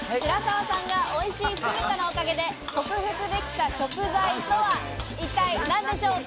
おいしい酢豚のおかげで克服できた食材とは一体何でしょうか？